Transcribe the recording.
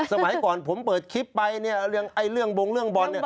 สมัยก่อนผมเปิดคลิปไปเนี่ยเรื่องเรื่องบนเรื่องบ่อน